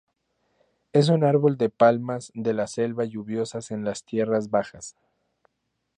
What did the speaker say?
Es un árbol de palmas de las selva lluviosas en las tierras bajas.